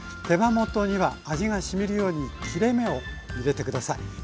手羽元には味がしみるように切れ目を入れて下さい。